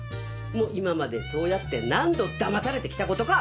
今までそうやって何度だまされてきたことか！